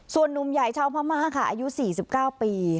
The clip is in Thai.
ส่วนหนุ่มใหญ่ชาวพม่าค่ะอายุสี่สิบเก้าปี